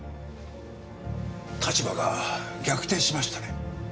立場が逆転しましたね。